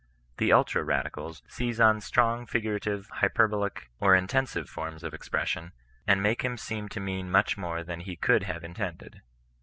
The ultra radicals seize on strong figurative, hyperbolic, or intensive forms of expression, and make him seem to mean miuih more than he could have intended.